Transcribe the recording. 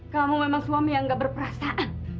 kamu memang suami yang gak berperasaan